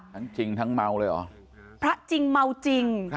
จริงทั้งเมาเลยเหรอพระจริงเมาจริง